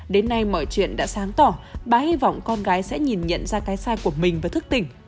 đến nay mọi chuyện đã sáng tỏ bà hy vọng con gái sẽ nhìn nhận ra cái sai của mình và thức tỉnh